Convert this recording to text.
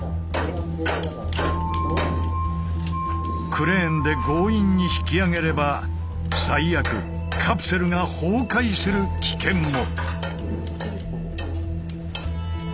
クレーンで強引に引き上げれば最悪カプセルが崩壊する危険も。